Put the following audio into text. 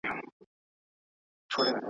زما څخه مه غواړه غزل د پسرلي د نسیم.